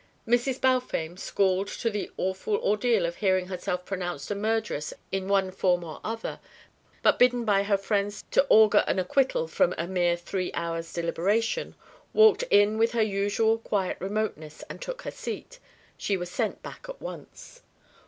Mrs. Balfame, schooled to the awful ordeal of hearing herself pronounced a murderess in one form or other, but bidden by her friends to augur an acquittal from a mere three hours' deliberation, walked in with her usual quiet remoteness and took her seat. She was sent back at once.